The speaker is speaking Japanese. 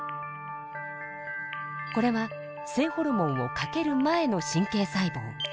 これは性ホルモンをかける前の神経細胞。